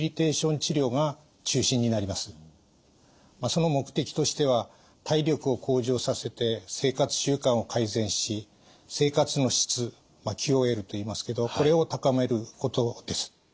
その目的としては体力を向上させて生活習慣を改善し生活の質ＱＯＬといいますけどこれを高めることです。